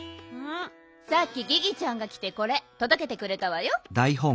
さっきギギちゃんがきてこれとどけてくれたわよ。